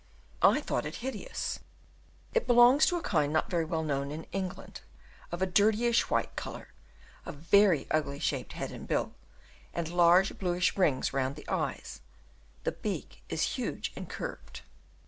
I thought it hideous: it belongs to a kind not very well known in England, of a dirtyish white colour, a very ugly shaped head and bill, and large bluish rings round the eyes; the beak is huge and curved.